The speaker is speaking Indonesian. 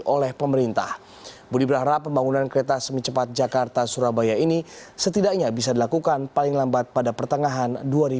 oleh pemerintah budi berharap pembangunan kereta semi cepat jakarta surabaya ini setidaknya bisa dilakukan paling lambat pada pertengahan dua ribu dua puluh